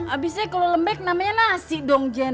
habisnya kalau lembek namanya nasi dong jen